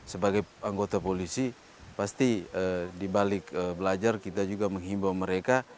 sebagai anggota polisi pasti dibalik belajar kita juga menghimbau mereka